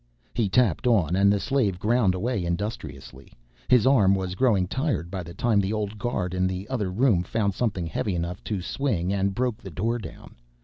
He tapped on and the slave ground away industriously. His arm was growing tired by the time the old guard in the other room found something heavy enough to swing and broke the door down.